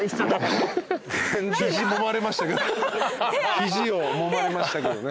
肘をもまれましたけどね。